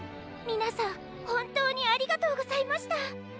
みなさんほんとうにありがとうございました。